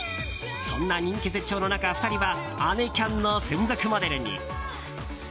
そんな人気絶頂の中、２人は「ＡｎｅＣａｎ」の専属モデルに。